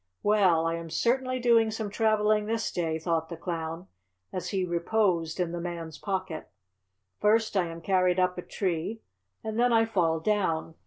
"Well, I am certainly doing some traveling this day," thought the Clown, as he reposed in the Man's pocket. "First I am carried up a tree, and then I fall down.